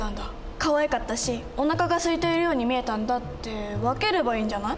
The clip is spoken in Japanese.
かわいかったしおなかがすいているように見えたんだ」って分ければいいんじゃない？